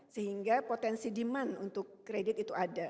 sehingga potensi demand untuk kredit itu ada